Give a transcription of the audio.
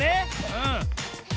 うん。